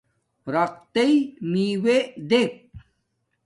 رقرَتݵئ مݵݸݺ دݵک.